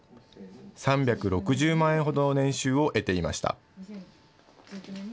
３６０万円ほどの年収を得ていました。